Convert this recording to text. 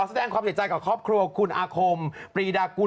แสดงความเสียใจกับครอบครัวคุณอาคมปรีดากุล